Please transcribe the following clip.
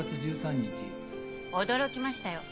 驚きましたよ